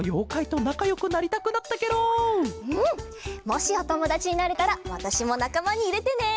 もしおともだちになれたらわたしもなかまにいれてね！